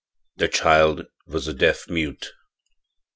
The child was a deaf mute.